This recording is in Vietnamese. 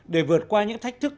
để vượt qua những thách thức